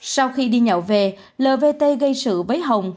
sau khi đi nhậu về lvt gây sự với hồng